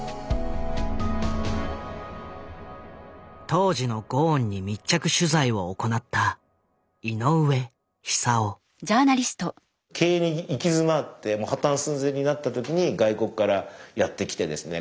当時のゴーンに密着取材を行った経営に行き詰まってもう破たん寸前になった時に外国からやって来てですね